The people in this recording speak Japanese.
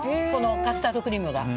カスタードクリームが。